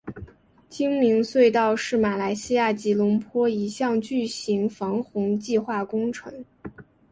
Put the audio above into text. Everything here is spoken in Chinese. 精明隧道是马来西亚吉隆坡一项巨型防洪计划工程。